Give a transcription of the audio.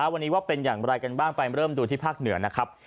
วันนี้ว่าเป็นอย่างไรกันบ้างไปเริ่มดูที่ภาคเหนือนะครับ